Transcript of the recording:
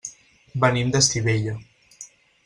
Venim d'Estivella.